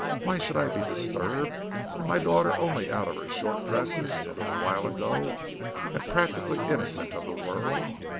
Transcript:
Why should I be disturbed and my daughter only out of her short dresses a little while ago and practically innocent of the world.